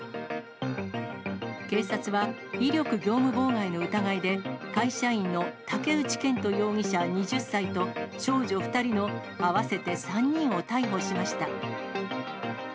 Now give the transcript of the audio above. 警察は、威力業務妨害の疑いで、会社員の竹内健人容疑者２０歳と、少女２人の合わせて３人を逮捕しました。